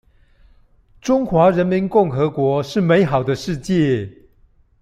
中華人民共和國是美好的世界